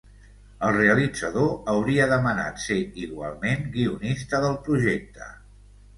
El realitzador hauria demanat ser igualment guionista del projecte.